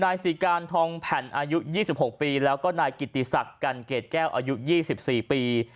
นายศรีการทองแผ่นอายุ๒๖ปีแล้วก็นายกิติศักดิ์กันเกรดแก้วอายุ๒๔ปี